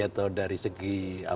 atau dari segi